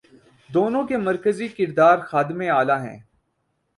دونوں کے مرکزی کردار خادم اعلی ہیں۔